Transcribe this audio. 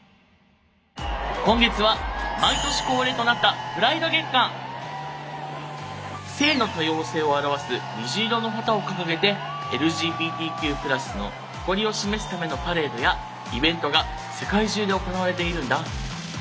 今月は毎年恒例となった性の多様性を表す虹色の旗を掲げてＬＧＢＴＱ＋の誇りを示すためのパレードやイベントが世界中で行われているんだ。